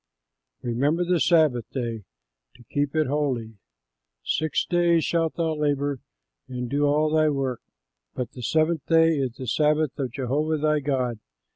"REMEMBER THE SABBATH DAY TO KEEP IT HOLY. Six days shalt thou labor and do all thy work; but the seventh day is the Sabbath of Jehovah thy God.